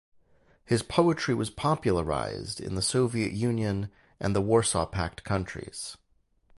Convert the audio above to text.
His poetry was popularized in the Soviet Union and the Warsaw Pact countries.